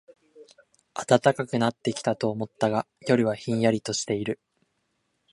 暖かくなってきたと思ったが、夜はひんやりとしている